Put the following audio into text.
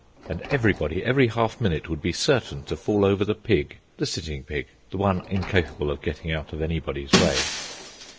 And everybody, every half minute, would be certain to fall over the pig the sitting pig, the one incapable of getting out of anybody's way.